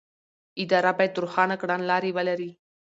اداره باید روښانه کړنلارې ولري.